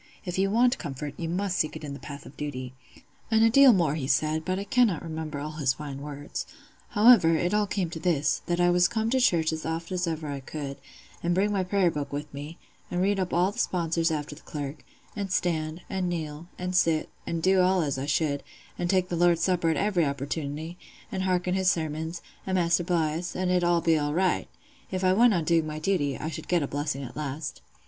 If you want comfort, you must seek it in the path of duty,'—an' a deal more he said, but I cannot remember all his fine words. However, it all came to this, that I was to come to church as oft as ever I could, and bring my prayer book with me, an' read up all the sponsers after the clerk, an' stand, an' kneel, an' sit, an' do all as I should, and take the Lord's Supper at every opportunity, an' hearken his sermons, and Maister Bligh's, an' it 'ud be all right: if I went on doing my duty, I should get a blessing at last.